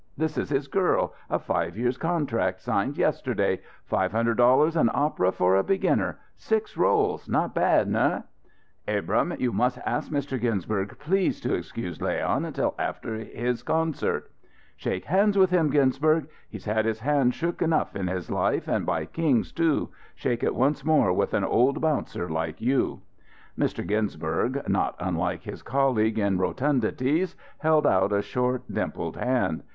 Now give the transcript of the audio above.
This is his girl, a five years' contract signed yesterday five hundred dollars an opera for a beginner six rôles not bad nu?" "Abrahm, you must ask Mr. Ginsberg please to excuse Leon until after his concert " "Shake hands with him, Ginsberg. He's had his hand shook enough in his life, and by kings, too shake it once more with an old bouncer like you!" Mr. Ginsberg, not unlike his colleague in rotundities, held out a short, a dimpled hand.